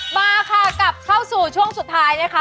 มาค่ะกลับเข้าสู่ช่วงสุดท้ายนะคะ